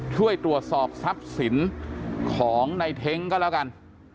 ช่วยตรวจสอบทรัพย์สินของในเท้งก็แล้วกัน